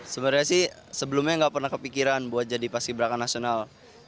sebenarnya sih sebelumnya nggak pernah kepikiran buat jadi paski beraka nasional